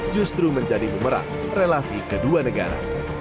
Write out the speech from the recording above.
justru menjadi memerah relasi kedua negara